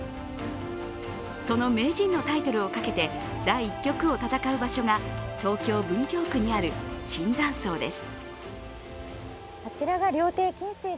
その名人のタイトルをかけて第１局を戦う場所が東京・文京区にある椿山荘です。